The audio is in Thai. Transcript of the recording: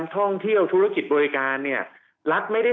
ทางประกันสังคมก็จะสามารถเข้าไปช่วยจ่ายเงินสมทบให้๖๒